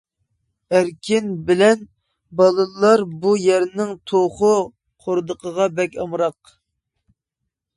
ئەركىن بىلەن بالىلار بۇ يەرنىڭ توخۇ قوردىقىغا بەك ئامراق.